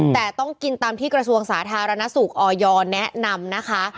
แต่ต้องกินตามที่กระทรวงสาธารณสุขออยแนะนำนะคะ